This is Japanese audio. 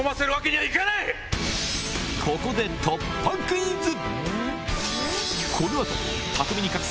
ここで突破クイズ！